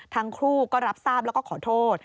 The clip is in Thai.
ทั้งคู่ก็รับทราบแล้วก็ขอโทษ